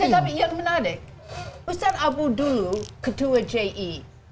ustaz abu dulu ketua ji